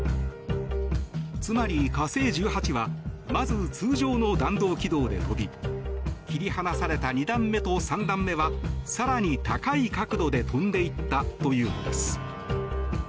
つまり「火星１８」はまず、通常の弾道軌道で飛び切り離された２段目と３段目は更に高い角度で飛んでいったというのです。